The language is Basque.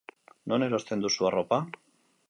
Non erosten duzu arropa?